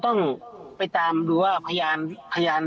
ทนายเกิดผลครับ